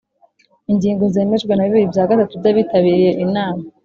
Ingingo zemejwe na bibiri bya gatatu by’abitabiriye inama